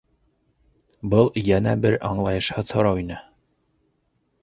Был йәнә бер аңлайышһыҙ һорау ине.